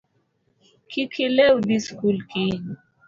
Kik ilew dhi sikul kiny